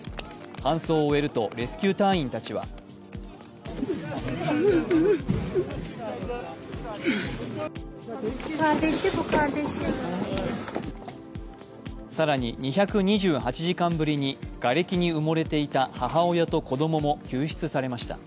搬送を終えるとレスキュー隊員たちは更に、２２８時間ぶりにがれきに埋もれていた母親と子供も救出されました。